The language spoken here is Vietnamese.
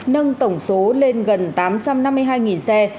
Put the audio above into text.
nâng tổng số lên gần tám trăm năm mươi hai xe